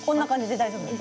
大丈夫です。